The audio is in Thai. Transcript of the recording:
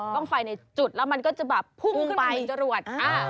ต้องไฟในจุดแล้วมันก็จะแบบพุ่งไปจรวด